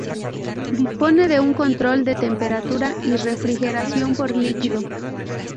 Dispone de un control de temperatura y refrigeración por líquido.